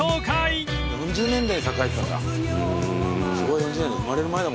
４０年代に栄えてたんだ。